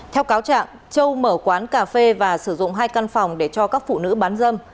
theo cáo trạng châu mở quán cà phê và sử dụng hai căn phòng để cho các phụ nữ bán dâm